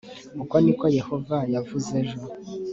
uku ni ko yehova yavuze ejo